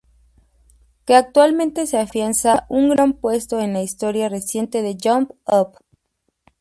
Que actualmente se afianza un gran puesto en la historia reciente del Jump-Up.